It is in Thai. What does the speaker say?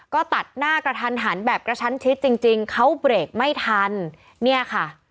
ก็ตัดหน้ากระทันหันแบบกระชั้นชิดจริงจริงเขาเบรกไม่ทันเนี่ยค่ะ